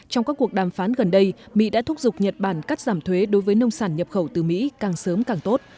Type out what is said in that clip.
trong các cuộc đàm phán gần đây mỹ đã thúc giục nhật bản cắt giảm thuế đối với nông sản nhập khẩu từ mỹ càng sớm càng tốt